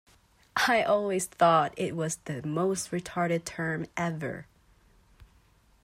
I always thought it was the most retarded term ever.